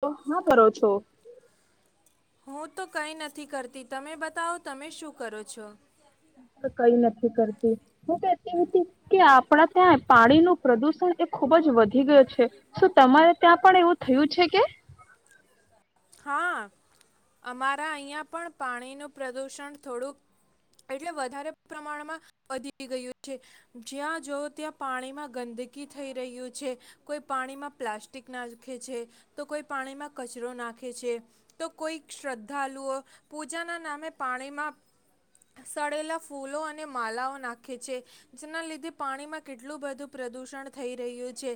તો હા કરો છો. હું તો કંઈ નથી કરતી તમે બતાવો તમે શું કરો છો? કઈ હું કેતી હતી કે આપડા ત્યાં પાણી નું પ્રદુષણ એ ખુબ જ વધી ગયો છે. શું તમારે ત્યાં પણ એવું થયું છે કે? હા અમારા અહીંયા પણ પાણીનું પ્રદુષણ થોડુંક એટલે વધારે પ્રમાણમાં વધી ગયું છે. જ્યાં જો ત્યાં પાણીમાં ગંદકી થઈ રહ્યું છે. કોઈ પાણીમાં પ્લાસ્ટિક નાખે છે, તો કોઈ પાણીમાં કચરો નાખે છે તો કોઈ શ્રદ્ધાલુઓ પૂજાના નામે પાણીમાં સળેલા ફૂલો અને માલાઓ નાખે છે. જેના લીધે પાણીમાં કેટલું બધું પ્રદુષણ થઈ રહ્યું છે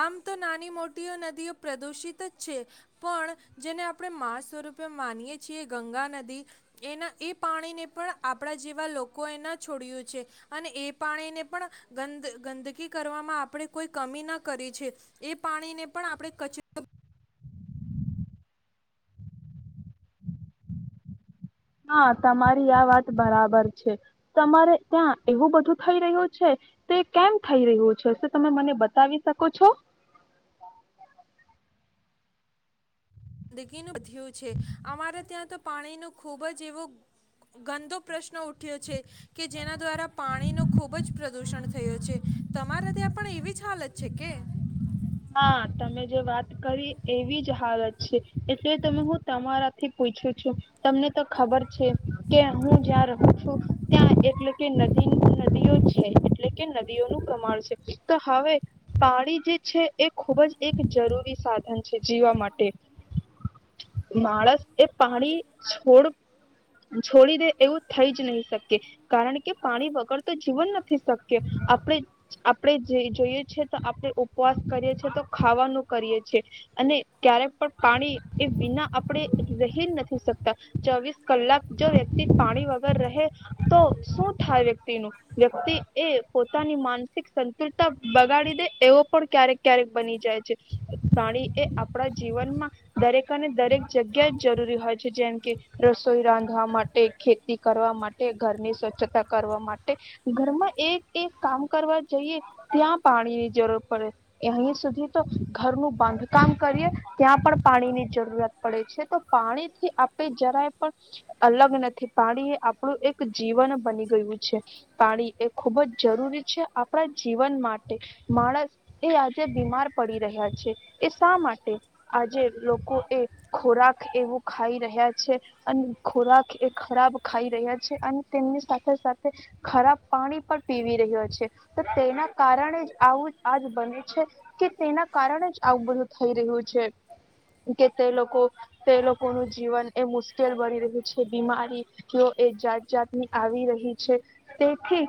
આમ તો નાની મોટીઓ નદીઓ પ્રદુષિત જ છે પણ જેને આપણે માં સ્વરૂપે માનીએ છીએ ગંગા નદી એના એ પાણીને પણ આપણા જેવા લોકો એ ના છોડ્યું છે અને એ પાણીને પણ ગંદ ગંદકી કરવામાં આપણે કોઈ કમી ના કરી છે. એ પાણીને પણ આપણે કચરો હા તમારી આ વાત બરાબર છે, તમારે ત્યાં એવું બધું થઈ રહ્યું છે તે કેમ થઈ રહ્યું છે તમે મને બતાવી શકો છો? ગંદગીનું વધ્યું છે અમારે ત્યાં તો પાણીનો ખુબ જ એવો ગંદો પ્રશ્ન ઉઠ્યો છે કે જેના દ્વારા પાણી નો ખૂબ જ પ્રદુષણ થયો છે, તમારા ત્યાં પણ એવી જ હાલત છે કે? હા તમે જે વાત કરી એવી જ હાલત એટલે તમે હું તમારાથી પૂછું છું તમને તો ખબર છે કે હું જ્યાં રહું છું ત્યાં એટલે કે નદી નદીઓ છે એટલે કે નદીઓનું પ્રમાણ છે, તો હવે પાણી જે છે. એ ખૂબ જ એક જરૂરી સાધન છે જીવા માટે. માણસ એ પાણી છોડ છોડી દે એવું થઈ જ નહી શકે કારણ કે પાણી વગર તો જીવન નથી શક્ય. આપણે-આપણે જોઈએ છીએ તો આપણે ઉપવાસ કરીએ છે તો ખાવાનું કરીએ છીએ અને. ક્યારે પણ પાણી એ વિના આપણે રહી નથી શકતા. ચોવીસ કલાક જો વ્યક્તિ પાણી વગર રહે તો શું થાય વ્યક્તિનું વ્યક્તિ એ પોતાની માનસિક સંતુલતા બગાડી દે એવો પણ ક્યારેક બની જાય છે, પાણી એ આપણા જીવનમાં દરેક અને દરેક જગ્યા જ જરૂરી હોય છે જેમ કે રસોઈ રાંધવા માટે, ખેતી કરવા માટે, ઘરની સ્વચ્છતા કરવા માટે ઘરમાં એક એક કામ કરવા જઈએ ત્યાં પાણી ની જરૂર પડે. અહીં સુધી તો ઘરનું બાંધકામ કરીએ ત્યાં પણ પાણીની જરૂરિયાત પડે છે તો પાણીથી આપણે જરાય પણ અલગ નથી પાણી એ આપણું એક જીવન બની ગયું છે. પાણી એ ખૂબ જ જરૂરી છે આપણા જીવન માટે માણસ. આજે બીમાર પડી રહ્યા છે, એ શા માટે આજે લોકો એ ખોરાક એવું ખાઈ રહ્યા છે અને ખોરાક એ ખરાબ ખાઈ રહ્યા છે અને તેમની સાથે સાથે ખરાબ પાણી પણ પીવી રહ્યા છે, તો તેના કારણે જ આવું આજ બને છે કે તેના કારણે જ આવું બધું થઈ રહ્યું છે કે તે લોકો તે લોકોનું જીવન એ મુશ્કેલ બની રહ્યું છે બીમારીઓ એ જાત જાતની આવી રહી છે તેથી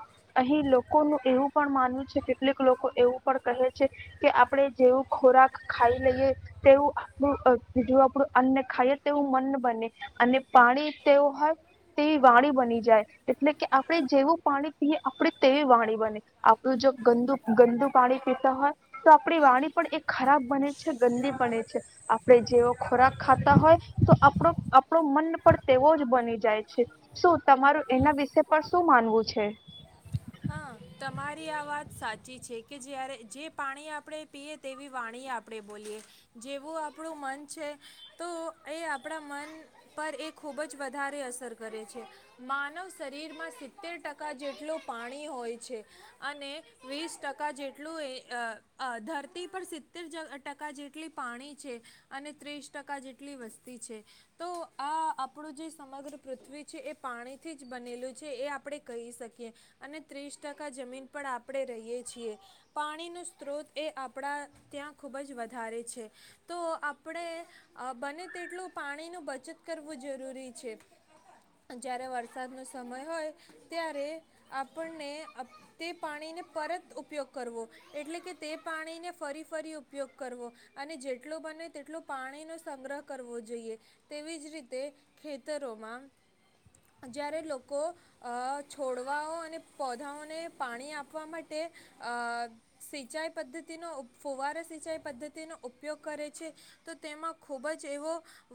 અહીં લોકોનું એવું પણ માનવું છે કેટલીક લોકો એ પણ કહે છે કે આપણે જેવું ખોરાક ખાઈ લઈએ તેવું આપણું જો આપડું અન્ન ખાઈએ તેવું મન બને અને- પાણી તેવું હોય તેવી વાણી બની જાય. એટલે કે આપણે જેવું પાણી પીએ આપડે તેવી વાણી બને આપણું જો ગંદુક ગંદુ હો તો આપણી વાણી પણ એ ખરાબ બને છે ગંદી બને છે, આપણે જેવો ખોરાક ખાતા હોય તો આપ આપણો મન પણ તેવો જ બની જાય છે. શું તમારું એના વિશે પણ શું માનવું છે? હા તમારી આ વાત સાચી છે કે જ્યારે જે પાણી આપણે પીએ તેવી વાણી આપણે બોલીએ જેવું આપણું મન છે તો એ આપણા મન પર એક ખૂબ જ વધારે અસર કરે છે. માનવ શરીરમાં સિત્તેર ટકા જેટલું પાણી હોય છે અને વીસ ટકા જેટલું એ અ અ ધરતી પર સિત્તેર ટકા જેટલી પાણી છે અને ત્રીસ ટકા જેટલી વસ્તી છે તો આ આપણું જે સમગ્ર પૃથ્વી છે એ પાણીથી જ બનેલું છે એ આપણે કહી શકીએ અને ત્રીસ ટકા જમીન પણ આપણે રહીએ છીએ. પાણીનું સ્ત્રોત એ આપણા ત્યાં ખૂબ જ વધારે છે તો આપણે અ બને તેટલું પાણીનું બચત કરવું જરૂર જરૂરી છે. જ્યારે વરસાદનો સમય હોય ત્યારે આપણને તે પાણીને પરત ઉપયોગ કરવો એટલે કે તે પાણીને ફરી ફરી ઉપયોગ કરવો અને જેટલુ બને તેટલું પાણીનો સંગ્રહ કરવો જોઈએ. તેવી જ રીતે ખેતરોમાં જ્યારે લોકો અ છોડવાઓ અને પૌધાઓને પાણી આપવા માટે અ સિંચાઈ પદ્ધતિનો ફુવારા સિંચાઈ પદ્ધતિનો ઉપયોગ કરે છે તો તેમાં ખૂબ જ એવો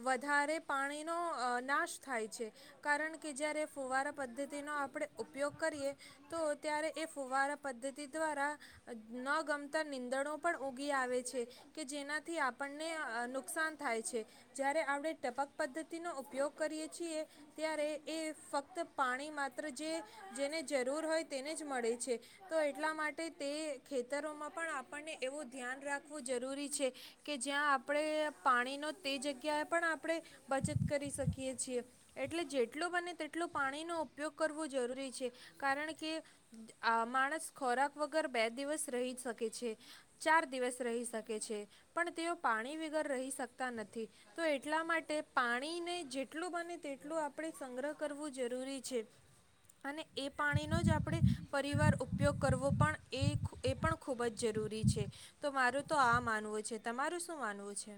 વધારે પાણીનો અ નાશ થાય છે કારણ કે જ્યારે ફુવારા પદ્ધતિનો આપણે ઉપયોગ કરીએ તો ત્યારે એ ફુવારા પદ્ધતિ દ્વારા અ ન ગમતા નીંદણો પણ ઊગી આવે છે કે જેનાથી આપણને અ નુકસાન થાય છે. જ્યારે આપણે ટપક પદ્ધતિનો ઉપયોગ કરીએ છીએ ત્યારે એ ફક્ત પાણી માત્ર જે જેને જરૂર હોય તેને જ મળે છે તો એટલા માટે તે ખેતરોમાં પણ આપણને એવું ધ્યાન રાખવું જરૂરી છે કે જ્યાં આપણે પાણીનો તે જગ્યાએ પણ આપણે બચત કરી શકીએ છીએ એટલે જેટલુ બને તેટલું પાણીનો ઉપયોગ કરવો જરૂરી છે કારણ કે આ માણસ ખોરાક વગર બે દિવસ રહી શકે છે, ચાર દિવસ રહી શકે છે પણ તેઓ પાણી વગર રહી શકતા નથી. તો એટલા માટે પા પાણીને જેટલું બને તેટલું આપણે સંગ્રહ કરવું જરૂરી છે અને એ પાણીનો જ આપણે પરિવાર ઉપયોગ કરવો પણ એ એ પણ ખૂબ જ જરૂરી છે. તો મારું તો આ માનવું છે તમારું શું માનવું છે?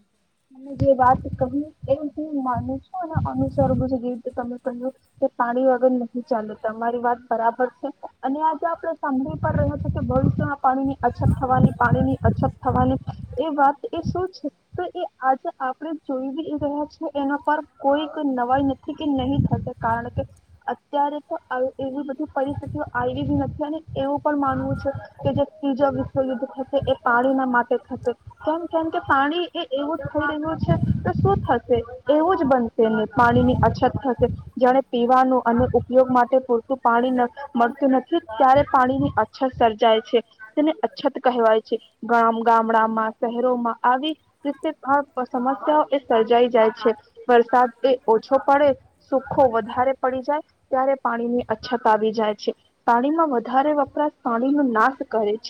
તમે જે વાત કહી એ હું માનું છું અને અનુસરગું છે જેવી રીતે તમે કહ કે પાણી વગર નહી ચાલે તમારી વાત બરાબર છે અને આજે આપણે સાંભળી પણ રહ્યા છે કે ભવિષ્ય પાણી ની અછત થવાની પાણી ની અછત થવાની એ વાત. એ શું છે તો એ આજે આપણે જોઈ રહ્યા છે એના પર કોઈક નવાઈ નથી કે નહી થશે કારણ કે અત્યારે તો આ એવી બધી પરિસ્થિતિઓ આવી નથી અને એવું પણ માનવું છે કે જે ત્રીજો વિશ્વયુદ્ધ થશે એ પાણીના માટે થશે કેમ કેમ કે પાણી એ એવું થયેલુ છે તો શું થશે એવું જ બનશે ને પાણીની અછત થશે જાને પીવાનું અને ઉપયોગ માટે પૂરતું પાણી મળતું નથી ત્યારે પાણીની અછત સર્જાય છે તેને અછત કહેવાય છે. ગામ, ગામડામાં, શહેરોમાં આવી રીતે આ સમસ્યાઓ એ સર્જાઈ જાય છે. વરસાદ એ ઓછો પડે, સુખો વધારે પડી જાય ત્યારે પાણીની અછત આવી જાય છે. પાણીમાં વધારે વપરાશ પાણી નો નાશ કરે.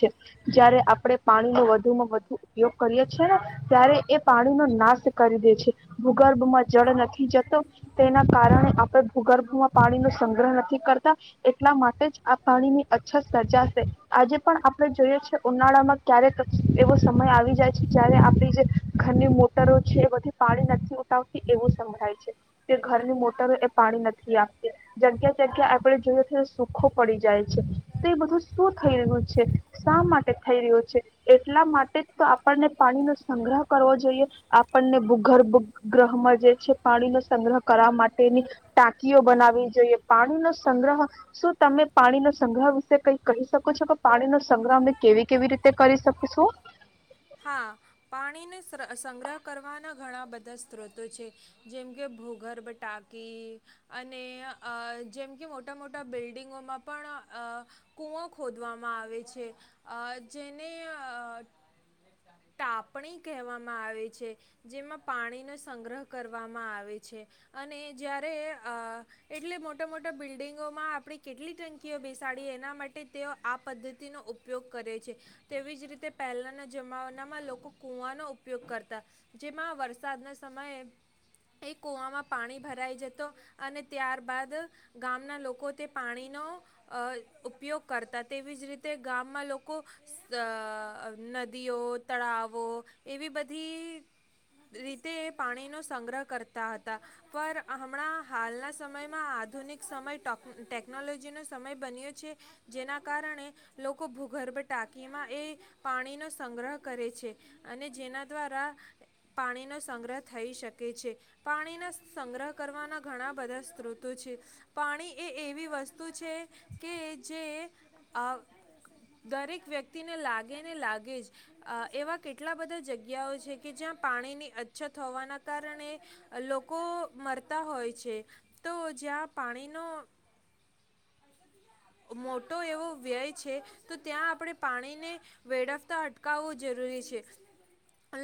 જયારે આપણે પાણીનો વધુ માં વધુ ઉપયોગ કરીએ છીએ ને ત્યારે એ પાણીનો નાશ કરી દે છે ભૂગર્ભમાં જળ નથી જતો તેના કારણે આપણે ભૂગર્ભમાં પાણીનો સંગ્રહ નથી કરતા એટલા માટે જ આ પાણીની અછત સર્જાશે. આજે પણ આપણે જોઈએ છે. ઉનાળામાં ક્યારેક એવો સમય આવી જાય છે જ્યારે આપડી જે ઘરની મોટરો છે એ બધી પાણી નથી ઉતાવતી એવું સંભળાય છે કે ઘરની મોટરો એ પાણી નથી આપતી જગ્યા જગ્યા આપડે જોઈએ તો સુખો પડી જાય તો એ બધું શું થઈ રહ્યું છે, શા માટે થઈ રહ્યું છે, એટલા માટે જ તો આપણને પાણી નો કરવો જોઈએ. આપણને ભૂગર્ભ ગ્રહમાં જે છે પાણીનો સંગ્રહ કરવા માટેની ટાંકીઓ બનાવી જોઈએ. પાણીનો સંગ્રહ શું તમે પાણીનો સંગ્રહ વિશે કઈક કહી શકો છો, કે પાણીનો સંગ્રહ અમે કેવી કેવી રીતે કરી શકીશું? હા પાણીનનું શ્ર-સંગ્રહ કરવાના ઘણા બધા સ્ત્રોતો છે. જેમ કે ભૂગર્ બટાકી અને અહ જેમ કે મોટા મોટા બિલ્ડિંગોમાં પણ અહ કૂઓ ખોદવામાં આવે છે. અહ જેને અહ ટાપણી કહેવામાં આવે છે. જેમાં પાણીનો સંગ્રહ કરવામાં આવે છે અને જ્યારે અહ એટલે મોટા મોટા બિલ્ડિંગોમાં આપણે કેટલી ટંકી ઓ બેસાડીએ એના માટે તેઓ આ પદ્ધતિનો ઉપયોગ કરે છે તેવી જ રીતે પહેલાના જમાવ નામાં લોકો કુવાનો ઉપયોગ કરતા જેમાં વરસાદના સમયે એ કૂવામાં પાણી ભરાઈ જતો અને ત્યારબાદ ગામના લોકો તે પાણીનો અહ ઉપયોગ કરતા. તેવીજ રીતે ગામમાં લોકો સહ નદીઓ તળાવો એવી બધી રીતે એ પાણીનો સંગ્રહ કરતા હતા. પર હમણાં હાલના સમયમાં આધુનિક સમય ટોક ટેકનોલોજીનો સમય બન્યો છે, જેના કારણે લોકો ભૂગર્ભ ટાંકીમાં એ પાણીનો સંગ્રહ કરે છે. અને જેના દ્વારા પાણીનો સંગ્રહ થઈ શકે છે. પાણીના સંગ્રહ કરવાના ઘણા બધા સ્ત્રોતો છે. પાણી એ એવી વસ્તુ છે કે જે આહ દરેક વ્યક્તિને લાગે ને લાગે જ. આ એવા કેટલા બધા જગ્યાઓ છે કે જ્યાં પાણીની અછત હોવાના કારણે લોકો મરતા હોય છે. તો જ્યાં પાણીનો મોટો એવો વ્યય છે, તો ત્યાં આપણે પાણીને વેળવતાટ કાવવું જરૂરી છે.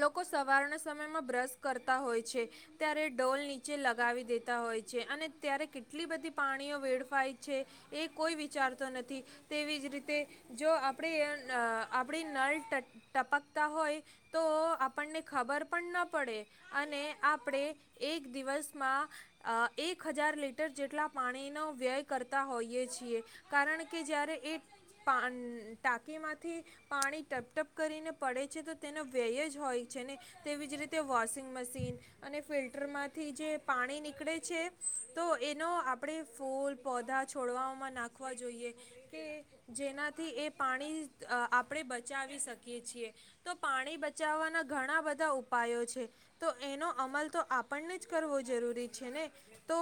લોકો સવારના સમયમાં બ્રશ કરતા હોય છે, ત્યારે ડોલ નીચે લગાવી દેતા હોય છે અને ત્યારે કેટલી બધી પાણીઓ વેડફાય છે, એ કોઈ વિચારતો નથી. તેવી જ રીતે જો આપણે યે આહ આપણી નળ ટ ટપકતા હોય તો આપણને ખબર પણ ન પડે અને આપણે એક દિવસમાં અહ એક હજાર લીટર જેટલા પાણીનો વ્યય કરતા હોઈએ છીએ કારણ કે જ્યારે એ પા ટાંકીમાંથી પાણી ટપટપ કરીને પડે છે તો તેનો વ્યય જ હોય છે ને તેવી જ રીતે વોશિંગ મશીન અને ફિલ્ટરમાંથી જે પાણી નીકળે છે તો એનો આપણે ફૂલ પૌધા છોડવામાં નાખવા જોઈએ કે જેનાથી એ પાણી આહ આપણે બચાવી શક કિયે છે. તો પાણી બચાવવાના ઘણા બધા ઉપાયો છે. તો એનો અમલ તો આપણને જ કરવો જરૂરી છે ને. તો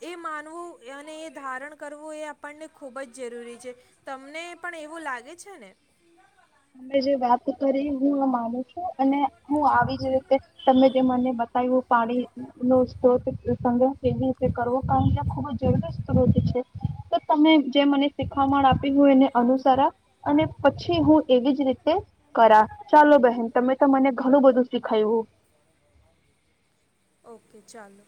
એ માનવું અને એ ધારણ કરવું એ આપણને ખૂબ જ જરૂરી છે. તમને પણ એવું લાગે છે ને? તમે જે વાત કરી હું માનું છું અને હું આવી જ રીતે તમે જે મને બતાવ્યું પાણી નો સ્ત્રોત સંગ્રહ કેવી રી કરવો ખુબ જ જરૂર સ્ત્રોત છે. તો તમે જે મને શીખામણ આપી એને અનુસરા અને પછી હું એવી જ રીતે કરા ચાલો બહેન તમે તો મને ઘણું બધું શીખાયું. ઓકે ચાલો.